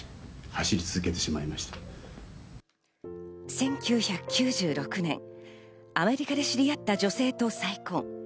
１９９６年、アメリカで知り合った女性と再婚。